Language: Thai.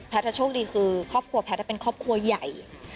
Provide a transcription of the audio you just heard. แพทย์จะโชคดีคือแพทย์จะเป็นครอบครัวใหญ่